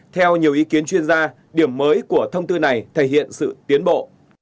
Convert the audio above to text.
theo nhiều ý kiến chuyên gia điểm mới của thông tư này thể hiện sự tiến bộ